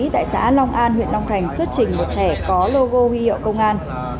tại xã long an huyện long thành xuất trình một thẻ có logo huy hiệu công an